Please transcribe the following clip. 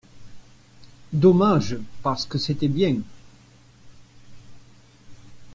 Dommage, parce que c’était bien.